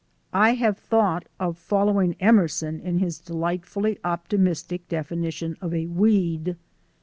I had thought of following Emerson in his delightfully optimistic definition of a weed.